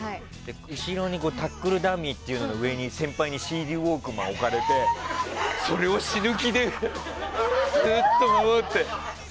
後ろにタックルダミーっていう先輩にＣＤウォークマンを置かれてそれを死ぬ気で守って。